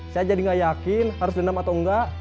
saya jadi gak yakin harus dendam atau enggak